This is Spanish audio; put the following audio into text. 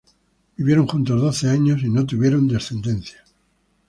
Vivieron juntos doce años y no tuvieron descendencia.